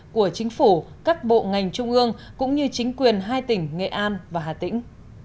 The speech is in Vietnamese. của chính phủ các bộ ngành trung ương cũng như chính quyền hai tỉnh nghệ an và hà tĩnh